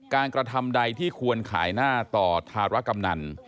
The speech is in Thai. กระทำใดที่ควรขายหน้าต่อธารกำนัน